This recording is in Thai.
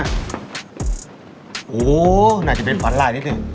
โอ้โหน่าจะเป็นฝันลายนิดนึง